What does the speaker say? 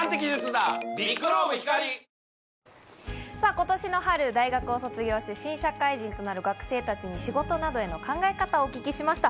今年の春、大学を卒業して新社会人となる学生たちに仕事などへの考え方をお聞きしました。